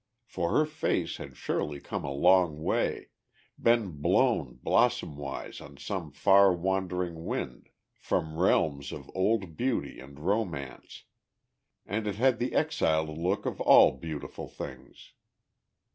for her face had surely come a long way, been blown blossom wise on some far wandering wind, from realms of old beauty and romance, and it had the exiled look of all beautiful things.